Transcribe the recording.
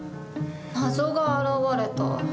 謎が現れた。